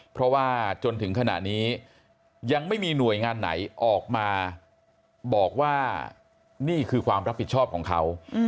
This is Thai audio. เพราะว่าจนถึงขณะนี้ยังไม่มีหน่วยงานไหนออกมาบอกว่านี่คือความรับผิดชอบของเขา